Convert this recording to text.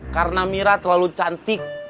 karena mira terlalu cantik